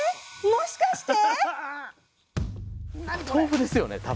もしかして。